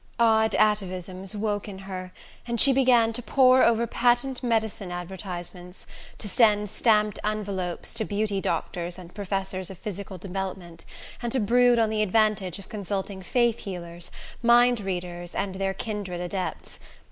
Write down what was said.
Odd atavisms woke in her, and she began to pore over patent medicine advertisements, to send stamped envelopes to beauty doctors and professors of physical development, and to brood on the advantage of consulting faith healers, mind readers and their kindred adepts.